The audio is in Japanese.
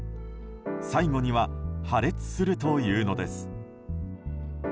最後には破裂するというのです。